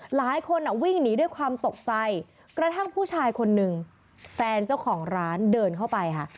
หลายคนวิ่งหนีด้วยความตกใจกระทั่งผู้ชายคนนึงแฟนเจ้าของร้านเดินเข้าไปค่ะ